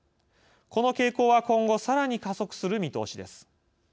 この傾向は今後さらに加速する見通しです。